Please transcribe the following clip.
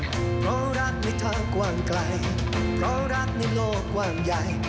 เพราะรักในทางกว้างไกลเพราะรักในโลกกว้างใหญ่